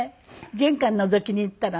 玄関のぞきに行ったらね